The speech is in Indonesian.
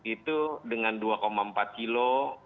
itu dengan dua empat kilo